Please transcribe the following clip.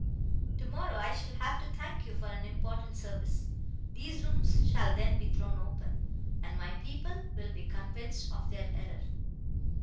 Tomorrow, I shall have to thank you for an important service; these rooms shall then be thrown open, and my people will be convinced of their error.